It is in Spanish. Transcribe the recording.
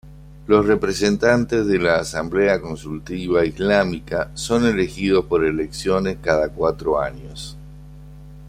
Los representantes de la Asamblea Consultiva Islámica son elegidos por elecciones cada cuatro años.